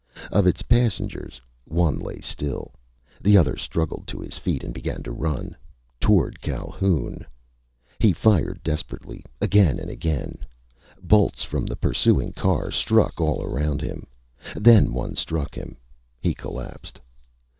Of its passengers, one lay still. The other struggled to his feet and began to run toward Calhoun. He fired desperately, again and again Bolts from the pursuing car struck all round him. Then one struck him. He collapsed.